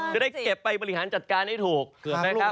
จะได้เก็บไปบริหารจัดการให้ถูกนะครับ